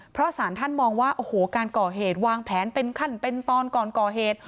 เพราะสารท่านมองว่าโอ้โหการก่อเหตุวางแผนเป็นขั้นเป็นตอนก่อนก่อเหตุ